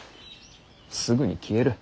すぐに消える。